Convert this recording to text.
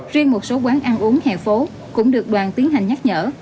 riêng một số quán ăn uống hè phố cũng được đoàn tiến hành nhắc nhở